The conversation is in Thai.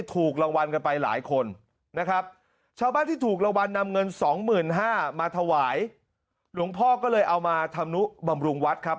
ถูกระวัญนำเงินสองหมื่นห้ามาถวายหลวงพ่อก็เลยเอามาทำนุบำรุงวัดครับ